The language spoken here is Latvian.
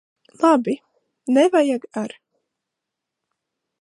Labi! Nevajag ar'.